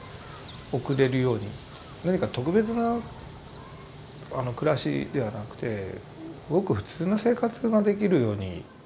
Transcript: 何か特別な暮らしではなくてごく普通の生活ができるように。